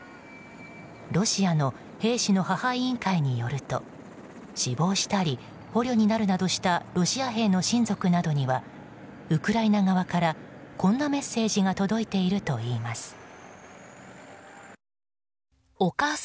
ロシアの兵士の母委員会によると死亡したり、捕虜になるなどしたロシア兵の親族などにはウクライナ側からこんなメッセージが届いているといいます。